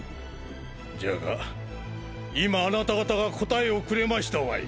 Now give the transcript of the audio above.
じゃが今あなた方が答えをくれましたわい。